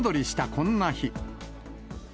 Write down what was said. こんな日。